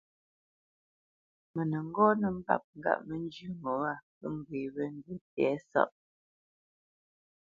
Mə nə́ ŋgɔ́ nə́ mbâp ŋgâʼ mə́ njyə́ ŋo wâ pə́ ŋgwê wé ndǔ tɛ̌sáʼ,